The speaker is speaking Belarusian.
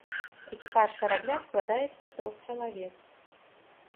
Экіпаж карабля складаецца з трох чалавек.